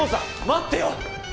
待ってよ！